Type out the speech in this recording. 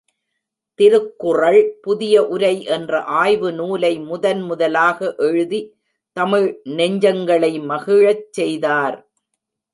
திருக்குறள் புதிய உரை என்ற ஆய்வு நூலை முதன் முதலாக எழுதி தமிழ் நெஞ்சங்களை மகிழச் செய்தார்.